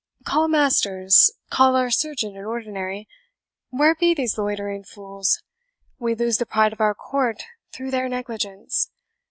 "Call Masters call our surgeon in ordinary. Where be these loitering fools? we lose the pride of our court through their negligence.